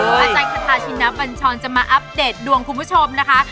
อาจารย์คาทาชินบัญชรจะมาอัปเดตดวงคุณผู้ชมนะคะ